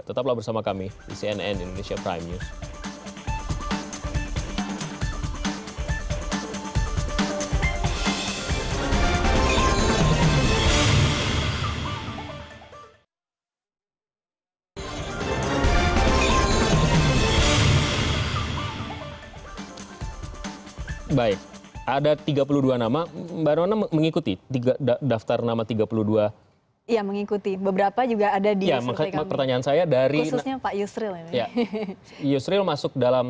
tetaplah bersama kami di cnn indonesia prime news